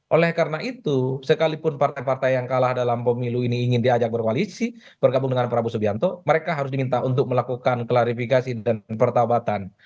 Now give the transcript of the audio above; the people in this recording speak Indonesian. oleh karena itu sekalipun partai partai yang kalah dalam pemilu ini ingin diajak berkoalisi bergabung dengan prabowo subianto mereka harus diminta untuk melakukan klarifikasi dan pertabatan